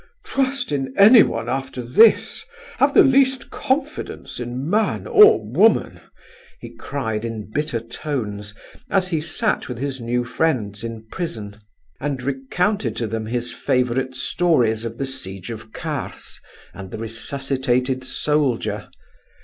"Trust in anyone after this! Have the least confidence in man or woman!" he cried in bitter tones, as he sat with his new friends in prison, and recounted to them his favourite stories of the siege of Kars, and the resuscitated soldier.